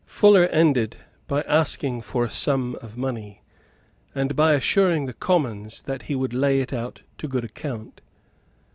Fuller ended by asking for a sum of money, and by assuring the Commons that he would lay it out to good account.